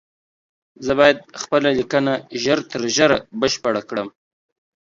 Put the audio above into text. زه بايد خپله ليکنه ژر تر ژره بشپړه کړم